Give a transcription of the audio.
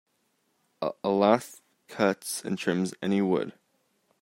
A lathe cuts and trims any wood.